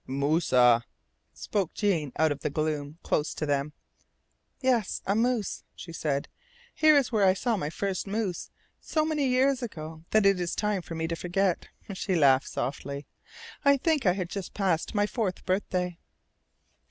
"Mooswa," spoke Jean out of the gloom close to them. "Yes, a moose," she said. "Here is where I saw my first moose, so many years ago that it is time for me to forget," she laughed softly. "I think I had just passed my fourth birthday."